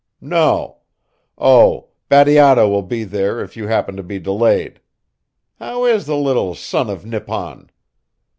No. Oh, Bateato will be there if you happen to be delayed. How is the little son of Nippon?